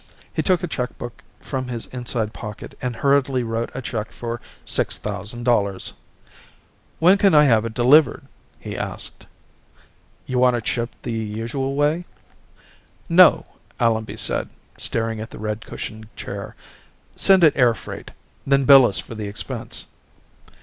He took a checkbook from his inside pocket and hurriedly wrote a check for six thousand dollars. "When can we have it delivered?" he asked. "You want it shipped the usual way?" "No," Allenby said, staring at the red cushioned chair. "Send it air freight. Then bill us for the expense."